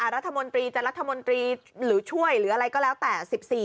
รัฐมนตรีจะรัฐมนตรีหรือช่วยหรืออะไรก็แล้วแต่๑๔